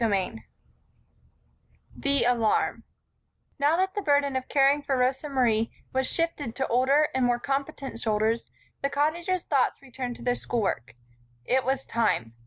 CHAPTER XI The Alarm NOW that the burden of caring for Rosa Marie was shifted to older and more competent shoulders, the Cottagers' thoughts returned to their school work. It was time.